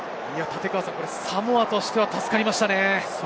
サモアとしては助かりましたね。